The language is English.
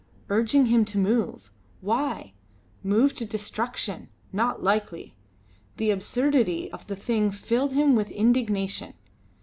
Urging him to move! Why? Move to destruction! Not likely! The absurdity of the thing filled him with indignation.